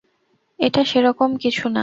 এটা সেরকম কিছু না।